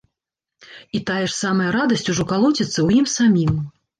І тая ж самая радасць ужо калоціцца ў ім самім.